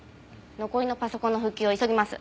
残りのパソコンの復旧を急ぎます。